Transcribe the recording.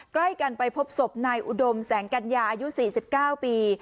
ใกล้กันไปพบศพนายอุดมแสงกัญญาอายุ๔๙ปี